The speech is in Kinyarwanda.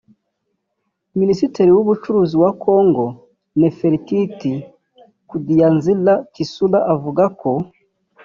Minisitiri w’ubucuruzi wa Congo Nefertiti Kudianzila Kisula avuga ko